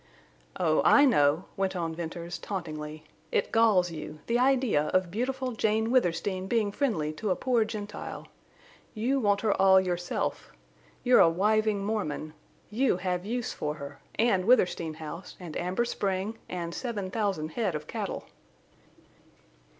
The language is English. "Oh! I know," went on Venters, tauntingly, "it galls you, the idea of beautiful Jane Withersteen being friendly to a poor Gentile. You want her all yourself. You're a wiving Mormon. You have use for her—and Withersteen House and Amber Spring and seven thousand head of cattle!"